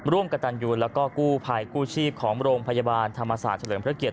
ร่วมกับตันยูแล้วก็กู้ภัยกู้ชีพของโรงพยาบาลธรรมศาสตร์เฉลิมพระเกียร